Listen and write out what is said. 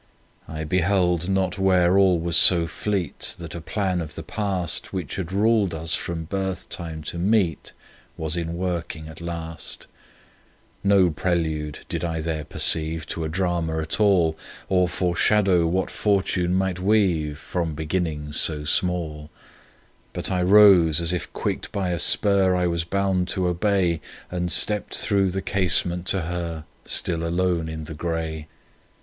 I beheld not where all was so fleet That a Plan of the past Which had ruled us from birthtime to meet Was in working at last: No prelude did I there perceive To a drama at all, Or foreshadow what fortune might weave From beginnings so small; But I rose as if quicked by a spur I was bound to obey, And stepped through the casement to her Still alone in the gray.